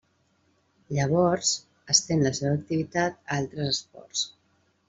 Llavors, estén la seva activitat a altres esports.